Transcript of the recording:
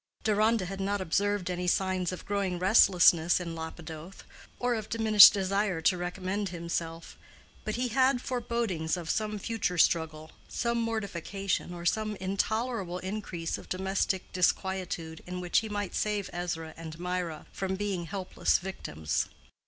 Deronda had not observed any signs of growing restlessness in Lapidoth, or of diminished desire to recommend himself; but he had forebodings of some future struggle, some mortification, or some intolerable increase of domestic disquietude in which he might save Ezra and Mirah from being helpless victims.